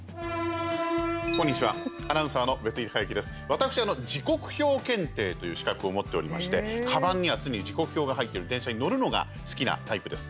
私、時刻表検定という資格を持っておりましてかばんには常に時刻表が入ってる電車に乗るのが好きなタイプです。